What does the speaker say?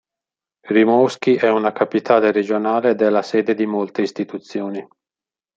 Rimouski è una capitale regionale ed è la sede di molte istituzioni.